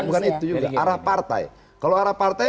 bukan itu juga arah partai kalau arah partai